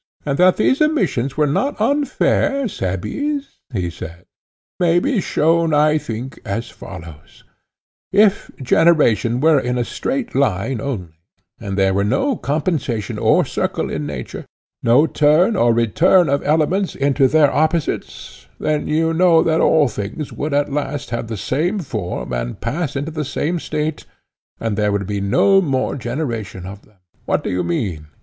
And that these admissions were not unfair, Cebes, he said, may be shown, I think, as follows: If generation were in a straight line only, and there were no compensation or circle in nature, no turn or return of elements into their opposites, then you know that all things would at last have the same form and pass into the same state, and there would be no more generation of them. What do you mean?